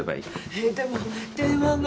えっでも電話が。